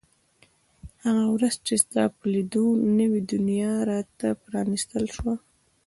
هغه ورځ چې ستا په لیدو نوې دنیا را ته پرانیستل شوه.